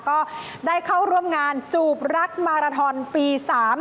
ก็ได้เข้าร่วมงานจูบรักมาราทอนปี๓